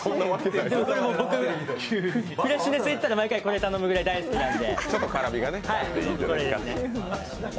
僕、フレッシュネス行ったら毎回これを頼むぐらい大好きなので。